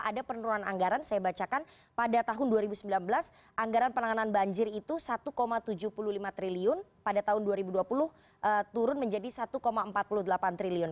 ada penurunan anggaran saya bacakan pada tahun dua ribu sembilan belas anggaran penanganan banjir itu satu tujuh puluh lima triliun pada tahun dua ribu dua puluh turun menjadi satu empat puluh delapan triliun